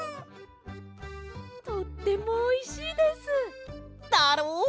とってもおいしいです！だろ？